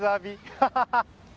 ハハハハ！